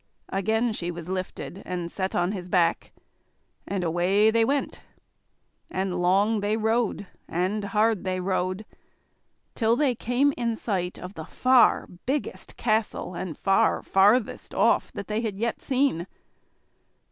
Again she was lifted and set on his back, and away they went. And long they rode, and hard they rode, till they came in sight of the far biggest castle and far farthest off, they had yet seen.